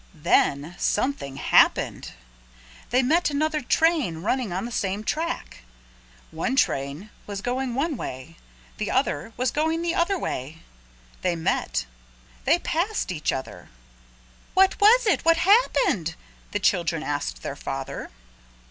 Then something happened. They met another train running on the same track. One train was going one way. The other was going the other way. They met. They passed each other. "What was it what happened?" the children asked their father.